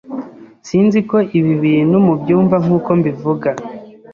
Sinzi ko ibi bintu mubyumva nkuko mbivuga